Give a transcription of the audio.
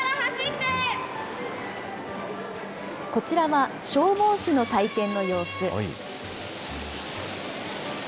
こちらは、消防士の体験の様子。